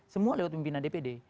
semua lewat pimpinan dpd